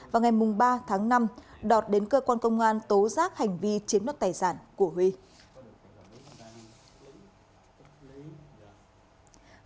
vào ngày ba tháng năm đọt đến cơ quan công an tố giác hành vi chiếm đất tài sản của huy